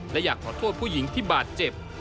และอยากขอโทษผู้หญิงที่บาดเจ็บ